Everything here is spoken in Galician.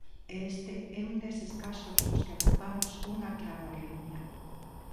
E este é un deses casos nos que atopamos unha clara arritmia.